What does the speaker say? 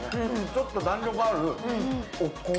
ちょっと弾力あるお米？